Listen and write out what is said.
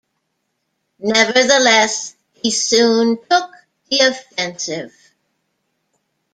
Nevertheless, he soon took the offensive.